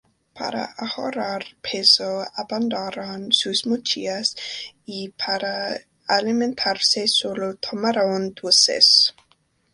Para ahorrar peso, abandonaron sus mochilas y, para alimentarse, solo tomaron dulces.